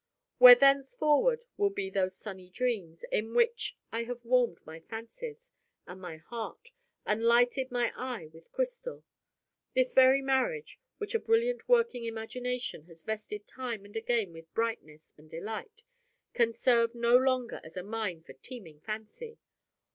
Where thenceforward will be those sunny dreams, in which I have warmed my fancies, and my heart, and lighted my eye with crystal? This very marriage, which a brilliant working imagination has invested time and again with brightness and delight, can serve no longer as a mine for teeming fancy.